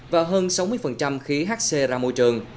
và hơn sáu mươi khí hc ra môi trường